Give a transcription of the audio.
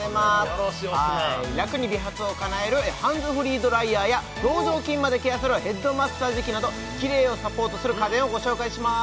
よろしおすなはい楽に美髪をかなえるハンズフリードライヤーや表情筋までケアするヘッドマッサージ器などきれいをサポートする家電をご紹介します